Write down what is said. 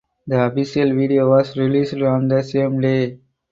The official video was released on the same day.